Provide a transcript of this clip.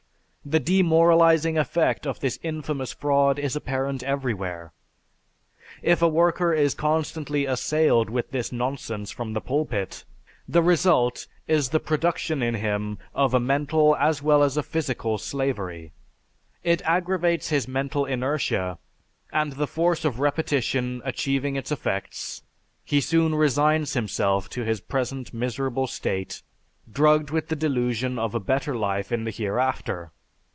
The demoralizing effect of this infamous fraud is apparent everywhere. If a worker is constantly assailed with this nonsense from the pulpit, the result is the production in him of a mental as well as a physical slavery; it aggravates his mental inertia, and the force of repetition achieving its effects, he soon resigns himself to his present miserable state drugged with the delusion of a better life in the hereafter.